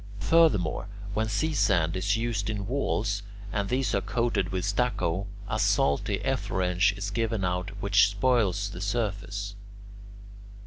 Furthermore, when sea sand is used in walls and these are coated with stucco, a salty efflorescence is given out which spoils the surface.